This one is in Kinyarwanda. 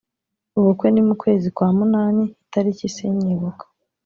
Ubukwe ni mu kwezi kwa munani itariki sinyibuka